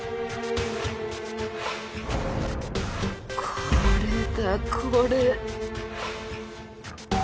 これだこれ。